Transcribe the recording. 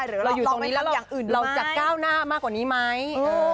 หรือเราอยู่ตรงนี้แล้วเราจะก้าวหน้ามากกว่านี้ไหม